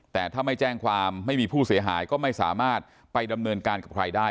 แต่ถ้าไม่แจ้งความไม่มีผู้เสียหายก็ไม่สามารถไปดำเนินการกับใครได้